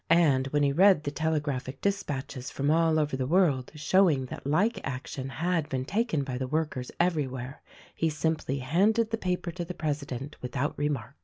And when he read the telegraphic dispatches from all over the world showing that like action had been taken by the workers everywhere he simply handed the paper to the president without remark.